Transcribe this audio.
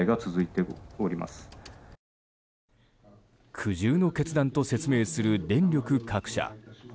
苦渋の決断と説明する電力各社。